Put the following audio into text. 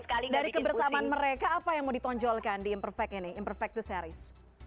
tapi dari kebersamaan mereka apa yang mau ditonjolkan di imperfect the series